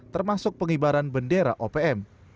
termasuk pengibaran bendera opm